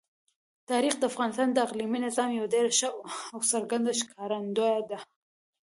تاریخ د افغانستان د اقلیمي نظام یوه ډېره ښه او څرګنده ښکارندوی ده.